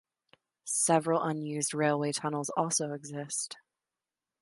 Several unused railway tunnels also exist.